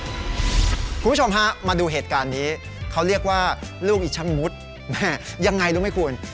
คุณผู้ชมฮะมาดูเหตุการณ์นี้เขาเรียกว่าลูกอีชะมุดแม่ยังไงรู้ไหมคุณ